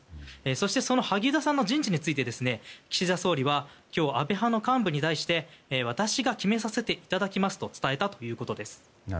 そして萩生田さんの人事について岸田総理は今日、安倍派の幹部に対して私が決めさせていただきますと伝えたということです。